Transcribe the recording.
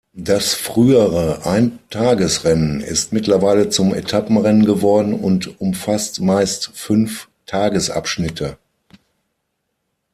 Das frühere Eintagesrennen ist mittlerweile zum Etappenrennen geworden und umfasst meist fünf Tagesabschnitte.